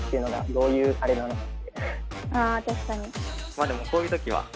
まあでもこういう時は。